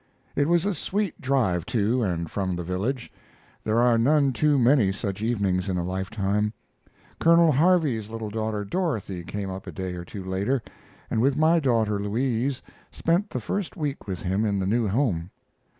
It was a sweet drive to and from the village. There are none too many such evenings in a lifetime. Colonel Harvey's little daughter, Dorothy, came up a day or two later, and with my daughter Louise spent the first week with him in the new home.